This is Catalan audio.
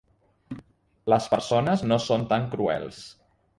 Les persones no són tan cruels.